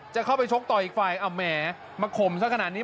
จะเข้าไปชกต่ออีกฝ่ายเอาแหมมาข่มสักขนาดนี้